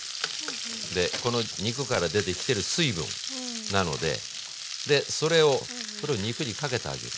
この肉から出てきてる水分なのででそれをこれを肉にかけてあげる。